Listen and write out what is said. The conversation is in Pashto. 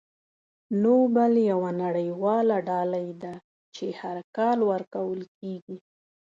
نوبل یوه نړیواله ډالۍ ده چې هر کال ورکول کیږي.